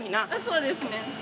そうですね。